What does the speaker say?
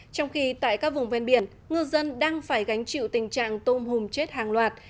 trong khi tại các vùng ven biển ngư dân đang phải gánh chịu tình trạng tôm hùm chết hàng loạt